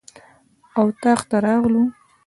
اطاق ته راغلو.